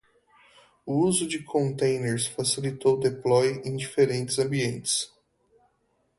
O uso de containers facilitou o deploy em diferentes ambientes.